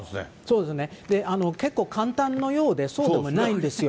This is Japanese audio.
そうですね、結構簡単のようで、そうでもないんですよ。